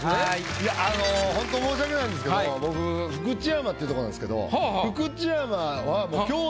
いやあのほんと申し訳ないんですけど僕福知山ってとこなんですけどえっ？